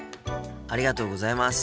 ありがとうございます。